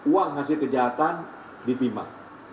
uang hasil kejahatan di timah